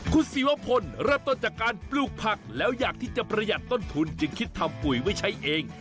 คุณศิวพลเริ่มต้นจากการปลูกผักแล้วอยากที่จะประหยัดต้นทุนจึงคิดทำปุ๋ยไว้ใช้เอง